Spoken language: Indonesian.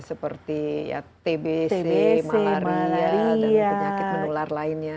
seperti tbc malaria dan penyakit menular lainnya